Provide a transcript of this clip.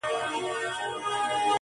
غوړه مال چي چا تر څنګ دی درولی!.